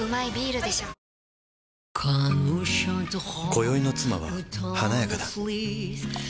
今宵の妻は華やかだ